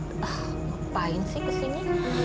ngapain sih kesini